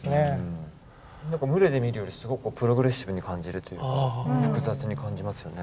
何か牟礼で見るよりすごくプログレッシブに感じるというか複雑に感じますよね。